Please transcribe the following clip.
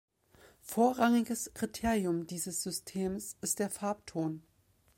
Vorrangiges Kriterium dieses Systems ist der Farbton.